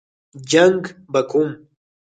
جنګ به کوم.